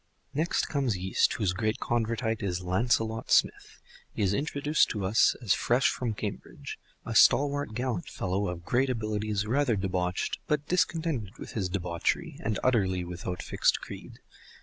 Next comes Yeast, whose great Convertite is Lancelot Smith. He is introduced to us as fresh from Cambridge, a stalwart gallant fellow of great abilities, rather debauched, but discontented with his debauchery, and utterly without fixed creed.